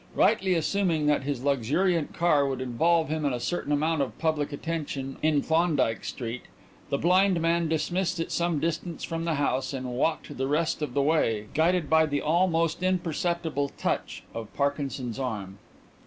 Rightly assuming that his luxuriant car would involve him in a certain amount of public attention in Klondyke Street, the blind man dismissed it some distance from the house, and walked the rest of the way, guided by the almost imperceptible touch of Parkinson's arm.